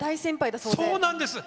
そうなんです。